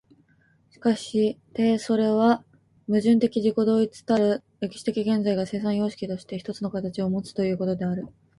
しかしてそれは矛盾的自己同一たる歴史的現在が、生産様式として一つの形をもつということである。